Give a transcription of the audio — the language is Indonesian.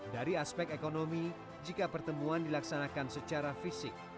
dari aspek ekonomi jika pertemuan dilaksanakan secara fisik